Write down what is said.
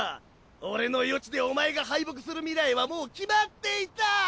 俺の予知でお前が敗北する未来はもう決まっていた！